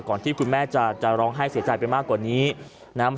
ก่อนที่คุณแม่จะจะร้องไห้เสียใจไปมากกว่านี้นะฮะ